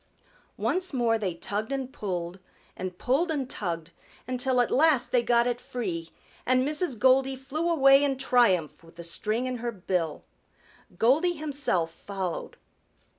Once more they tugged and pulled and pulled and tugged until at last they got it free, and Mrs. Goldy flew away in triumph with the string in her bill. Goldy himself followed.